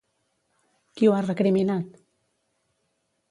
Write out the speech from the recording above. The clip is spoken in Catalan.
Qui ho ha recriminat?